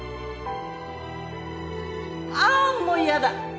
ああもう嫌だ。